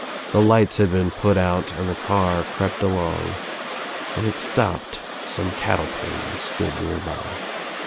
The lights had been put out and the car crept along. When it stopped some cattle came and stood nearby.